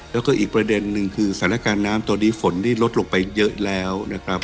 แล้วก็อีกประเด็นหนึ่งคือศาลการณ์น้ำตอนนี้ฝนรดลงไปเยอะแล้ว